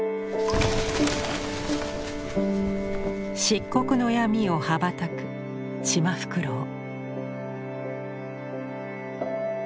漆黒の闇を羽ばたく「シマフクロウ」。